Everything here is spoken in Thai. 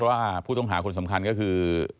ว่าผู้ต้องหาคนสำคัญก็คือ